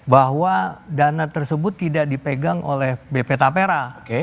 bahwa dana tersebut tidak dipegang oleh bp tapera